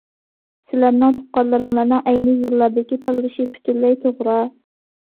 سىلەرنىڭ تۇغقانلىرىڭلارنىڭ ئەينى يىللاردىكى تاللىشى پۈتۈنلەي توغرا.